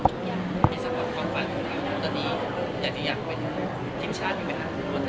มีส่วนความฝันของเขาตอนนี้อย่างที่อยากเป็นทิมชาติอยู่ไหมคะ